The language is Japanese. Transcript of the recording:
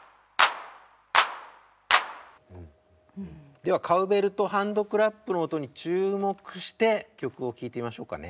ではカウベルとハンドクラップの音に注目して曲を聴いてみましょうかね。